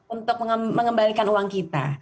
untuk mengembalikan uang kita